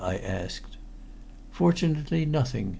I asked. "Fortunately nothing.